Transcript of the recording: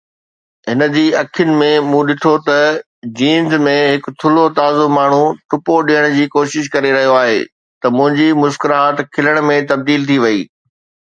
هن جي اکين ۾، مون ڏٺو ته جينز ۾ هڪ ٿلهو تازو ماڻهو ٽپو ڏيڻ جي ڪوشش ڪري رهيو آهي، ته منهنجي مسڪراهٽ کلڻ ۾ تبديل ٿي وئي.